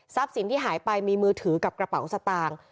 สินที่หายไปมีมือถือกับกระเป๋าสตางค์